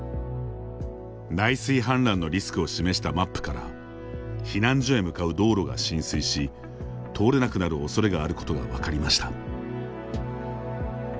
内水氾濫のリスクを示したマップから避難所へ向かう道路が浸水し通れなくなるおそれがあることが分かりました。